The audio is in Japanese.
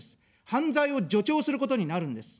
犯罪を助長することになるんです。